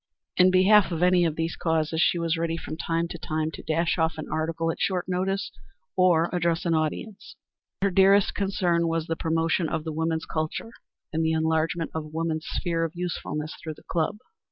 In behalf of any of these causes she was ready from time to time to dash off an article at short notice or address an audience. But her dearest concern was the promotion of woman's culture and the enlargement of woman's sphere of usefulness through the club.